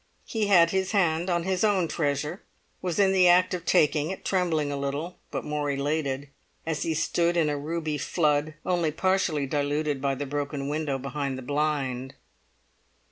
He had his hand on his own treasure, was in the act of taking it, trembling a little, but more elated, as he stood in a ruby flood only partially diluted by the broken window behind the blind.